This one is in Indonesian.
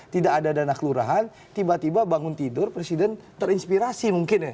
tidak ada dana kelurahan tiba tiba bangun tidur presiden terinspirasi mungkin ya